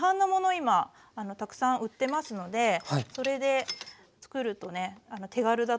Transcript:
今たくさん売ってますのでそれでつくるとね手軽だと思います。